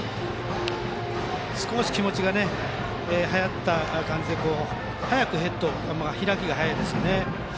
少し気持ちがはやった感じでヘッドの開きが早いですね。